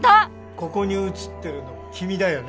ここに写ってるの君だよね？